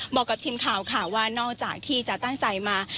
บอกกับทีมข่าวค่ะว่านอกจากที่จะตั้งใจมา